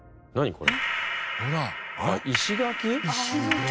これ。